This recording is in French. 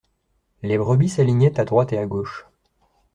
Les brebis s’alignaient à droite et à gauche.